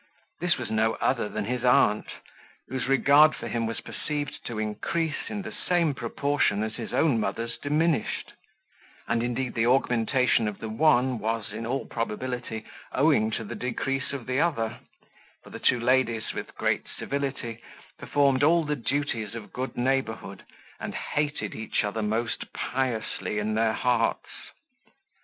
This was no other than his aunt, whose regard for him was perceived to increase in the same proportion as his own mother's diminished; and, indeed, the augmentation of the one was, in all probability, owing to the decrease of the other; for the two ladies, with great civility, performed all the duties of good neighbourhood, and hated each other most piously in their hearts.